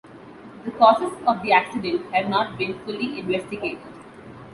The causes of the accident have not been fully investigated.